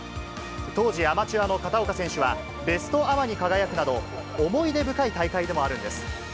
当時、アマチュアの片岡選手は、ベストアマに輝くなど、思い出深い大会でもあるんです。